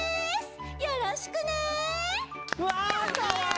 よろしくね！